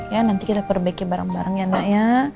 ya nanti kita perbaiki bareng bareng ya nak ya